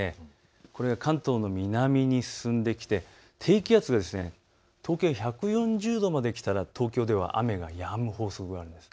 これが関東の南に進んできて低気圧が東経１４０度までくると東京では雨がやむ法則なんです。